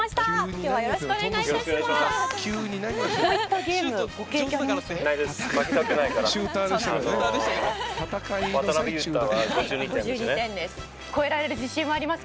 今日はよろしくお願いいたします。